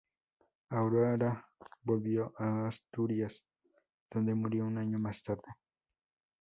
Aurora volvió a Asturias donde murió un año más tarde.